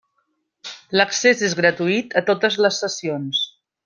L'accés és gratuït a totes les sessions.